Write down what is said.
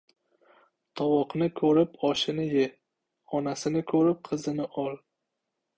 • Tovoqni ko‘rib oshini ye, onasini ko‘rib qizini ol.